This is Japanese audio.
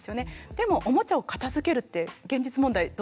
でもおもちゃを片づけるって現実問題どうでしょう。